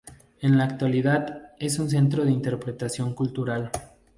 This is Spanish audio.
En la actualidad es un centro de interpretación cultural.